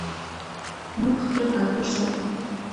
موږ خپل کلتور ساتو